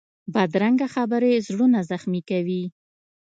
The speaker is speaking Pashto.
بدرنګه خبرې زړونه زخمي کوي